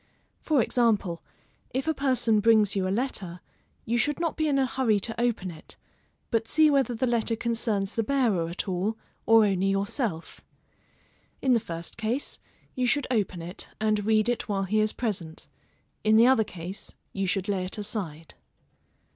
For example, if a person brings you a letter, you should not be in a hurry to open it, but see whether the letter concerns the bearer at all, or only yourself. In the first case, you should open it, and read it while he is present; in the other case, you should lay it aside.